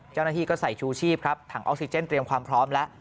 เจ้าหน้าที่ก็ใส่ชูชีพครับถังออกซิเจนเตรียมความพร้อมแล้ว